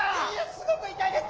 すごくいたいです。